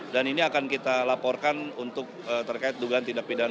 dan ini akan kita laporkan untuk terkait dugaan tindak pidana